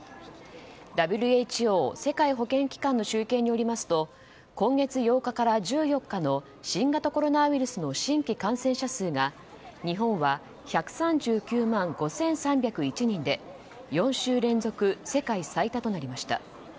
ＷＨＯ・世界保健機関の集計によりますと今月８日から１４日の新型コロナウイルスの新規感染者数が日本は１３９万５３０１人で４週連続世界最多となりました。